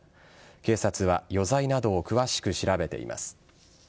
警察は余罪などを詳しく調べています。